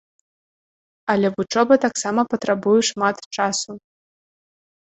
Але вучоба таксама патрабуе шмат часу.